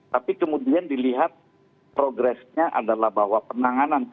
tapi kemudian dilihat progresnya adalah bahwa penanganan